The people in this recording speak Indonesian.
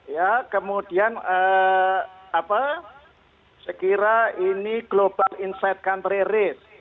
ya kemudian apa sekira ini global insight country risk